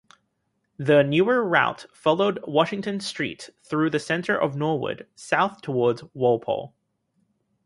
The newer route followed Washington Street through the center of Norwood, south towards Walpole.